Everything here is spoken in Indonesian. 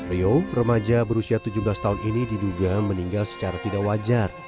rio remaja berusia tujuh belas tahun ini diduga meninggal secara tidak wajar